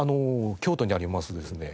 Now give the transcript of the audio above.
京都にありますですね